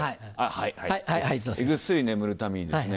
ぐっすり眠るためにですね